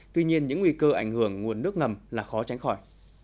tuy nhiên những nguy cơ ảnh hưởng nguồn nước ngầm là khó tránh khỏi